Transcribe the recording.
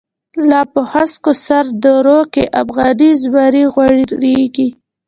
لا په هسکو سر درو کی، افغانی زمری غوریږی